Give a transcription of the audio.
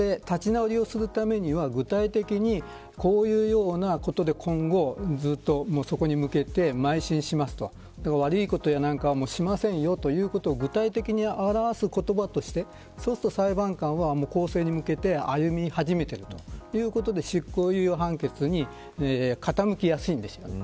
というのは立ち直りをするためには具体的に、こういうようなことで今後、ずっとそこに向けてまい進しますとだから悪いことなんかはもうしませんということを具体的に表す言葉としてそうすると裁判官は公正に向けて歩み始めているということで執行猶予判決に傾きやすいんですよね。